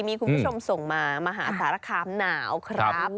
มีคุณผู้ชมส่งมามหาสารคามหนาวครับ